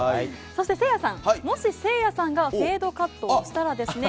そしてせいやさんもしせいやさんがフェードカットにしたらですね